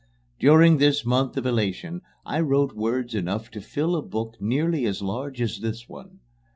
During this month of elation I wrote words enough to fill a book nearly as large as this one.